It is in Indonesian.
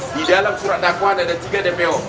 di dalam surat dakwaan ada tiga dpo